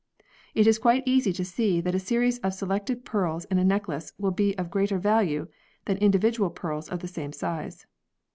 It is quite easy to see that a series of selected pearls in a necklace will be of greater value than individual pearls of the same size.